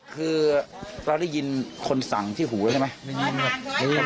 คือเราได้ยินคนสั่งที่หูใช่ไหม